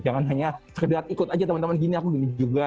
jangan hanya sekedar ikut aja teman teman gini aku gini juga